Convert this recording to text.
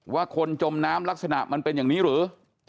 ว่าคนจมน้ำลักษณะมันเป็นอย่างนี้หรือ